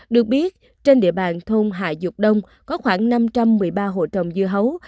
được biết trên địa bàn thôn hạ dục đông có khoảng năm trăm một mươi ba hộ trồng dưa hấu